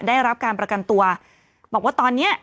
ได้รับการประกันตัวบอกว่าตอนเนี้ย